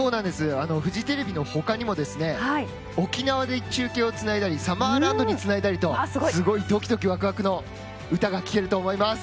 フジテレビの他にも沖縄で中継をつないだりサマーランドにつないだりとドキドキワクワクの歌が聴けると思います。